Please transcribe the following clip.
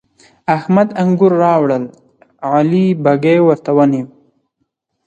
احمد انګور راوړل؛ علي بږۍ ورته ونيو.